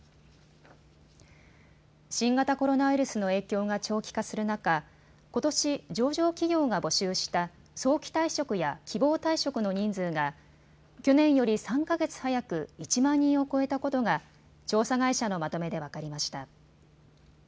新型コロナウイルスの影響が長期化する中、ことし上場企業が募集した早期退職や希望退職の人数が去年より３か月早く１万人を超えたことが調査会社のまとめで分かりました。